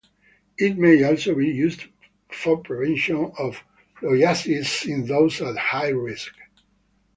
It may also be used for prevention of loiasis in those at high risk.